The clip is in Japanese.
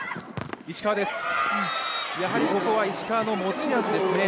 やはりここは石川の持ち味ですね。